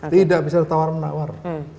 tidak bisa ditawar menawar